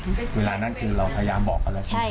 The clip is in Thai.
เวลานั้นคือเราพยายามบอกเขาแล้วใช่ไหม